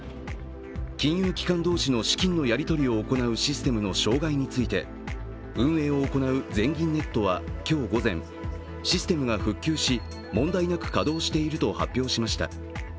金融機関同士の資金のやり取りを行うシステムの障害について運営を行う全銀ネットは今日午前、システムが復旧し問題なく稼働していると発表しました。